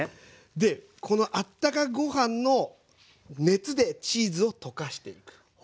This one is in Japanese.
でこのあったかご飯の熱でチーズを溶かしていく。